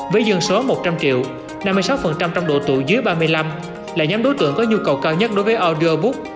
với dân số một trăm linh triệu năm mươi sáu trong độ tụ dưới ba mươi năm là nhóm đối tượng có nhu cầu cao nhất đối với audiobook